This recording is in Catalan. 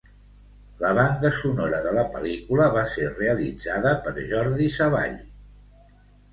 La banda sonora de la pel·lícula va ser realitzada per Jordi Savall.